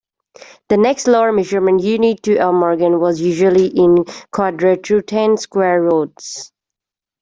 The next lower measurement unit to a morgen was usually in "Quadratruten" square rods.